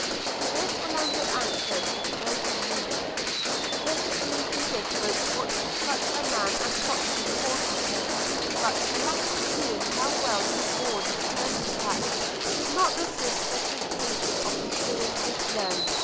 To this Orlando answered with good humour, perfectly indifferent what such a man as Stockton thought of him; but the latter seeing how well he bore this first attack, could not resist the temptation of pursuing his blow.